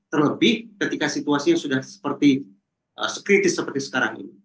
terlebih ketika situasinya sudah seperti sekritis seperti sekarang ini